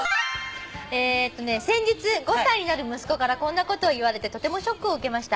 「先日５歳になる息子からこんなことを言われてとてもショックを受けました」